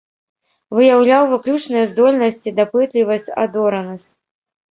Выяўляў выключныя здольнасці, дапытлівасць, адоранасць.